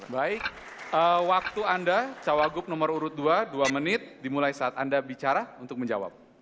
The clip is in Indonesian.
baik waktu anda cawagup nomor urut dua dua menit dimulai saat anda bicara untuk menjawab